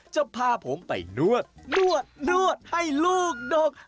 จะพาผมไปนวดนวดให้ลูกดก